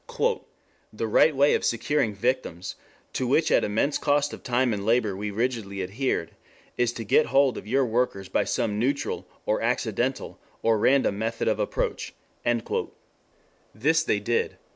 "The right way of securing 'victims,' to which at immense cost of time and labour we rigidly adhered, is to get hold of your workers by some 'neutral' or 'accidental' or 'random' method of approach." This they did.